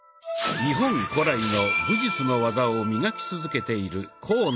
日本古来の武術の技を磨き続けている甲野